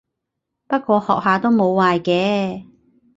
不過學下都冇壞嘅